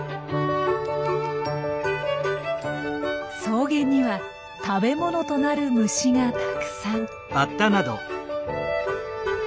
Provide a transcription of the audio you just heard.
草原には食べ物となる虫がたくさん。